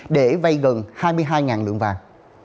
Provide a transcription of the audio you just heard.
để vây gần hai mươi hai lượng vàng